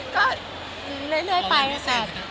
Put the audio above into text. ก็เรื่อยไปกัน